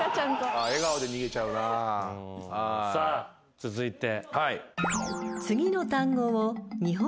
さあ続いて。